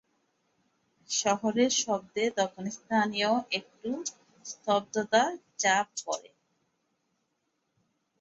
শহরের শব্দে তখন স্থানীয় একটু স্তব্ধতার চাপ পড়ে।